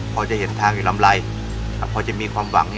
พอจะเห็นทางอยู่ลำไรพอจะมีความหวัง